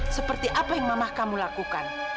seperti apa yang mamah kamu lakukan